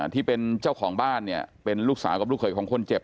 ที่เป็นเจ้าของบ้านเนี่ยเป็นลูกสาวกับลูกเขยของคนเจ็บ